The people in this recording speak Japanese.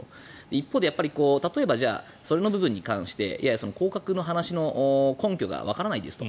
一方で例えばその部分に関して降格の話の根拠がわからないですと。